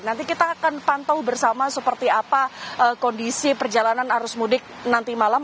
nanti kita akan pantau bersama seperti apa kondisi perjalanan arus mudik nanti malam